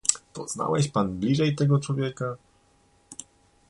"Poznałeś pan bliżej tego człowieka?..."